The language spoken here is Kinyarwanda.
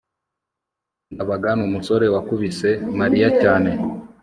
ndabaga numusore wakubise mariya cyane